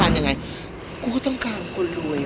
พี่อัดมาสองวันไม่มีใครรู้หรอก